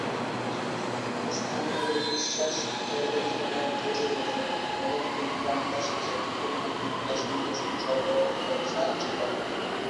স্থানীয়দের বিশ্বাস, জায়গাটি কোনো এক দেবীর অধীন এবং তিনি গ্রামবাসীকে দিঘির মাধ্যমে বাসন-কোসন সরবরাহ করে সাহায্য করেন।